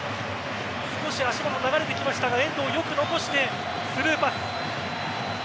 少し足元、流れてきましたが遠藤、よく残してスルーパス。